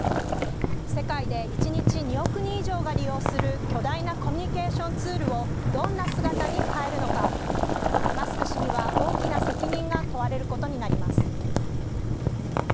世界で一日２億人以上が利用する巨大なコミュニケーションツールをどんな姿に変えるのかマスク氏には大きな責任が問われることになります。